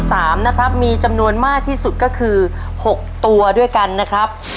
แมวเลภาคที่๓นะครับมีจำนวนมากที่สุดก็คือ๖ตัวด้วยกันนะครับ